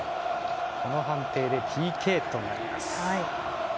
この判定でＰＫとなります。